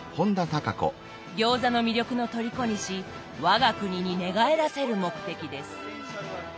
餃子の魅力の虜にし我が国に寝返らせる目的です。